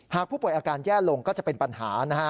ผู้ป่วยอาการแย่ลงก็จะเป็นปัญหานะฮะ